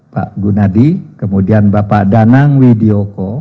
pak gunadi kemudian bapak danang widiyoko